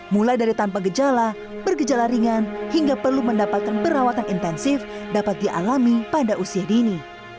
mulai dari tanpa gejala bergejala ringan hingga perlu mendapatkan perawatan intensif dapat dialami pada usia dini